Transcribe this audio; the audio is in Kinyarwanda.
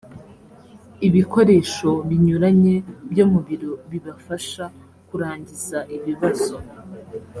ibikoresho binyuranye byo mu biro bibafasha kurangiza ibibazo